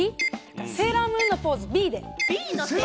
セーラームーンのポーズ、Ｂで。